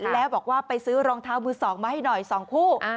แล้วบอกว่าไปซื้อรองเท้ามือ๒มาให้หน่อย๒คู่